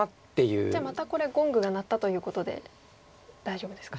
じゃあまたこれゴングが鳴ったということで大丈夫ですか？